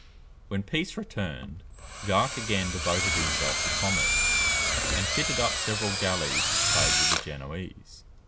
When peace returned, Jacques again devoted himself to commerce, and fitted up several galleys to trade with the Genoese.